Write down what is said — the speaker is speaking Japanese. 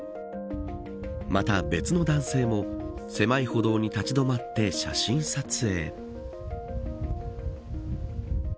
また、別の男性も狭い歩道に立ち止まって写真撮影。